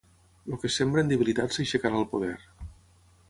El que es sembra en debilitat s'aixecarà al poder.